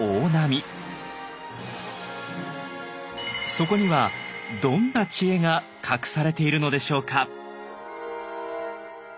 そこにはどんな知恵が隠されているのでしょうか？